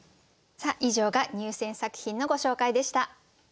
以上が入選作品のご紹介でした。